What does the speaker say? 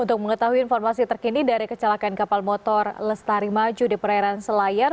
untuk mengetahui informasi terkini dari kecelakaan kapal motor lestari maju di perairan selayar